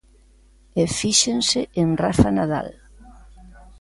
E fíxense en Rafa Nadal.